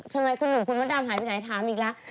ทำไมคุณหนูคุณพระดามหายไปไหนทำอีกแล้ว